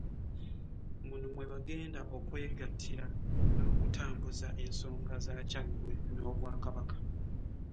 Muno mwe bagenda okwegattira n'okutambuza ensonga za Kyaggwe n'Obwakabaka.